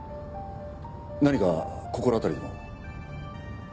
何か心当たりでも？